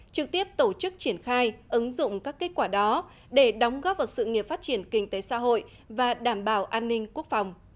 trực tiếp tổ chức triển khai ứng dụng các kết quả đó để đóng góp vào sự nghiệp phát triển kinh tế xã hội và đảm bảo an ninh quốc phòng